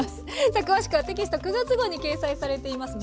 さあ詳しくはテキスト９月号に掲載されています。